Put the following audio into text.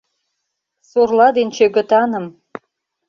Сорла ден чӧгытаным!